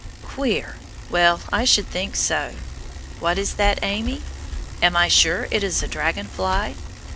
Queer! Well, I should think so! What is that, Amy? Am I sure it is a dragon fly?